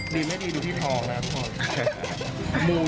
ดีไม่ดีดูที่ทองนะทุกคน